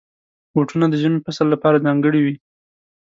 بوټونه د ژمي فصل لپاره ځانګړي وي.